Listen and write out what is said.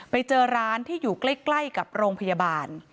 ไปเจอร้านที่อยู่ใกล้กับโรงพยาบาล